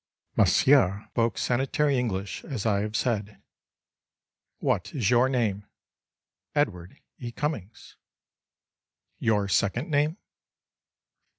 Monsieur spoke sanitary English, as I have said. "What is your name?"—"Edward E. Cummings." —"Your second name?"